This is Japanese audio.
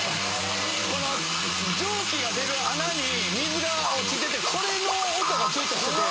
この蒸気が出る穴に水が落ちててそれの音がずっとしてて。